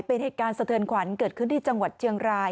เป็นเหตุการณ์สะเทือนขวัญเกิดขึ้นที่จังหวัดเชียงราย